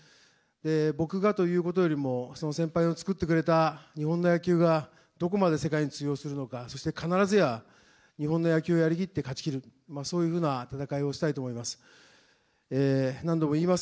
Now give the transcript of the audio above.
僕がということよりも、その先輩の作ってくれた日本の野球がどこまで世界に通用するのか、そして必ずや、日本の野球をやりきって勝ちきる、そういうふうな戦いをしたいと思います。